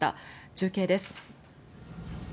中継です。